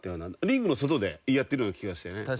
リングの外で言い合ってるような気がしてね。